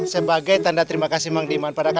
sebagai tanda terima kasih mang diman pada kita